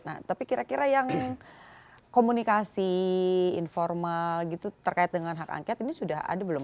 nah tapi kira kira yang komunikasi informal gitu terkait dengan hak angket ini sudah ada belum